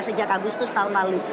sejak agustus tahun lalu